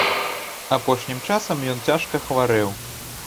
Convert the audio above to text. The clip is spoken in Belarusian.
Апошнім часам ён цяжка хварэў.